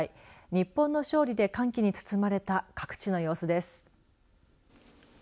日本の勝利で歓喜に包まれた各地の様子です。